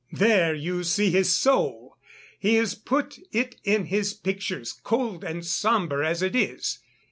"There you see his soul! he has put it in his pictures, cold and sombre as it is.